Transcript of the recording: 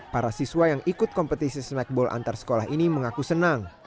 para siswa yang ikut kompetisi snackball antar sekolah ini mengaku senang